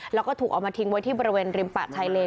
แล้วก็ถูกเอามาทิ้งไว้ที่บริเวณริมปะชายเลน